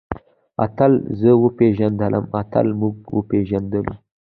اتل زه وپېژندلم. اتل موږ وپېژندلو.